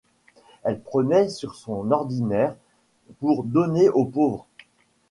Elle prenait sur son ordinaire pour donner aux pauvres.